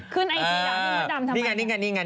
ขึ้นไอจีด้านพี่มอดดำทำไม